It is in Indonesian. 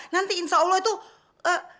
nanti insya allah tuh